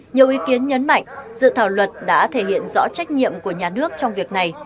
nhiều ý kiến nhấn mạnh dự thảo luật đã thể hiện rõ trách nhiệm của nhà nước trong việc này